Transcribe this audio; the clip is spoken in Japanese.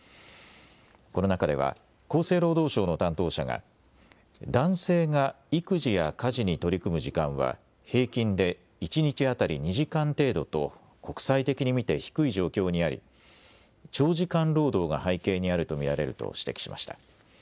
この中では厚生労働省の担当者が男性が育児や家事に取り組む時間は平均で一日当たり２時間程度と国際的に見て低い状況にあり長時間労働が背景にあると見られると指摘しました。